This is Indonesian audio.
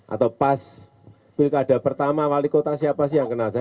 atau pas pilkada pertama wali kota siapa sih yang kenal saya